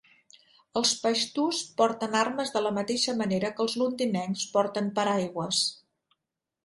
Els paixtus porten armes de la mateixa manera que els londinencs porten paraigües.